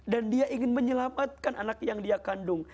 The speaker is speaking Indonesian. dan dia ingin menyelamatkan anak yang dia kandung